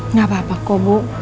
nggak apa apa kok bu